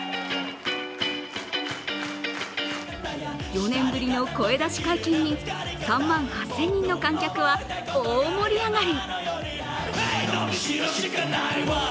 ４年ぶりの声出し解禁に３万８０００人の観客は大盛り上がり！